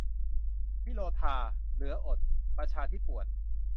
วโรทาห์ เหลืออด ประชาธิป่วน